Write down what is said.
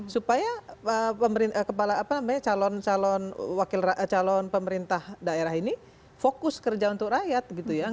supaya kepala apa namanya calon calon pemerintah daerah ini fokus kerja untuk rakyat gitu ya